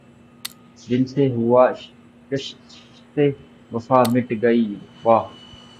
دل سے ہواے کشتِ وفا مٹ گئی کہ واں